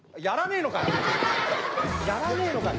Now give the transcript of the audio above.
やらねえのかよ！